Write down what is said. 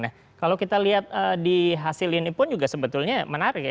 nah kalau kita lihat di hasil ini pun juga sebetulnya menarik ya